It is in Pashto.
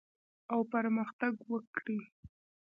او پرمختګ وکړي.